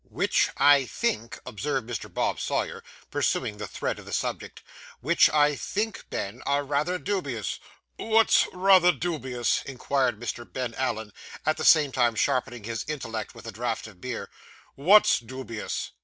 'Which, I think,' observed Mr. Bob Sawyer, pursuing the thread of the subject 'which, I think, Ben, are rather dubious.' 'What's rather dubious?' inquired Mr. Ben Allen, at the same time sharpening his intellect with a draught of beer. 'What's dubious?